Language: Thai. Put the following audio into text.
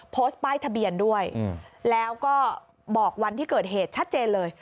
โพสต์ป้ายทะเบียนด้วยแล้วก็บอกวันที่เกิดเหตุชัดเจนเลย